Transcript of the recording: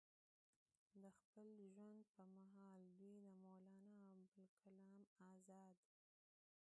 د خپل ژوند پۀ محال دوي د مولانا ابوالکلام ازاد